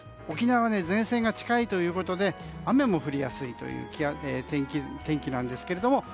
沖縄は前線が近いということで雨も降りやすいという天気なんですが。